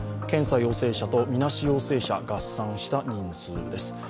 検査陽性者とみなし陽性者合算した人数です。